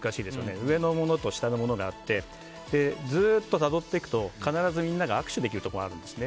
上のものと下のものがあってずっとたどっていくと必ずみんなが握手できるところがあるんですね。